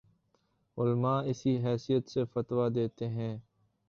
علما اسی حیثیت سے فتویٰ دیتے ہیں